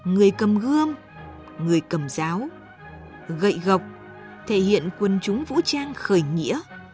người cầm gươm người cầm giáo gậy gọc thể hiện quần chúng vũ trang khởi nghĩa